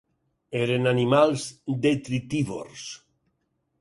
Eren animals detritívors.